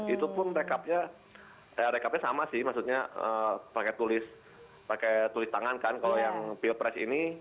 itu pun rekapnya sama sih maksudnya pakai tulis tangan kan kalau yang pilpres ini